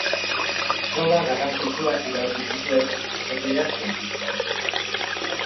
Proba garrantzitsuak irabazi zituen errepidean zein pistan.